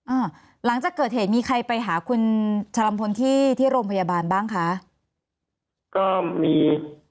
อ่าหลังจากเกิดเหตุมีใครไปหาคุณชะลำพลที่ที่โรงพยาบาลบ้างคะก็มี